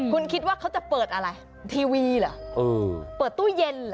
คุณคิดว่าเขาจะเปิดอะไรทีวีเหรอเปิดตู้เย็นเหรอ